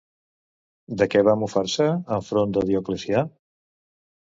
De què va mofar-se enfront de Dioclecià?